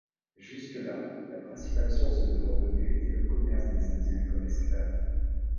Jusque-là, la principale source de revenus était le commerce des Indiens comme esclaves.